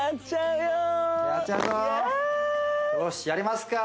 よしやりますか